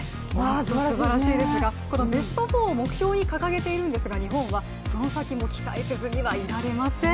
すばらいしですが、ベスト４を目標に掲げているんですが、その先も期待せずにはいられません。